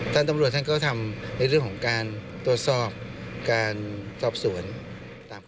ตำรวจท่านก็ทำในเรื่องของการตรวจสอบการสอบสวนตามข้อ